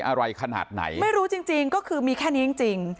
อะไรขนาดไหนไม่รู้จริงจริงก็คือมีแค่นี้จริง